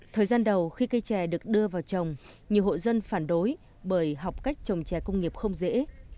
thời gian đầu khi cây chè được đưa vào trồng nhiều hộ dân phản đối bởi học cách trồng trè công nghiệp không dễ